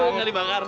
itu ngari bakar